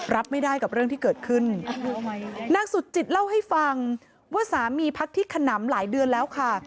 รับไม่ได้กับเรื่องที่เกิดขึ้นนางสุจิตเล่าให้ฟังว่าสามีพักที่ขนำหลายเดือนแล้วค่ะ